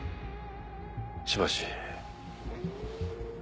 しばし。